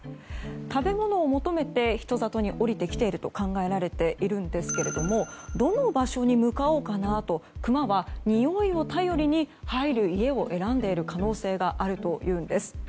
食べ物を求めて人里に下りてきていると考えられているんですけれどもどの場所に向かおうかなとクマはにおいを頼りに入る家を選んでいる可能性があるというんです。